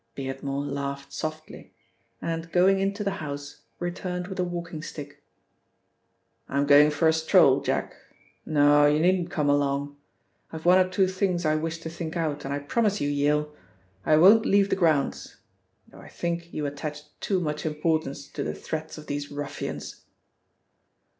Beardmore laughed softly, and going into the house returned with a walking stick. "I'm going for a stroll, Jack. No, you needn't come along. I've one or two things I wish to think out, and I promise you, Yale, I won't leave the grounds, though I think you attach too much importance to the threats of these ruffians."